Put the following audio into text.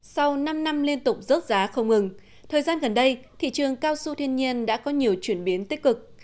sau năm năm liên tục rớt giá không ngừng thời gian gần đây thị trường cao su thiên nhiên đã có nhiều chuyển biến tích cực